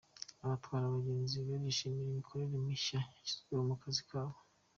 Abatwara abagenzi barishimira imikorere mishya yashyizweho mu kazi kabo